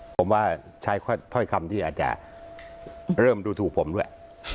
ผมว่าใช้ถ้อยคำที่อาจจะเริ่มดูถูกผมด้วย